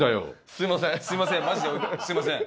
すみません。